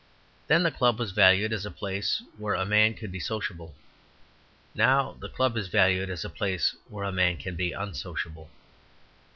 Then the club was valued as a place where a man could be sociable. Now the club is valued as a place where a man can be unsociable.